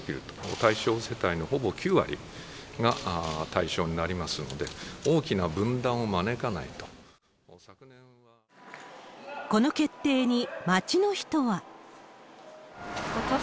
対象世帯のほぼ９割が対象になりますので、大きな分断を招かないこの決定に、街の人は。